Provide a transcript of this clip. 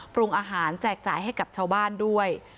ปรุงอาหารแจกจ่ายให้กับชาวบ้านด้วย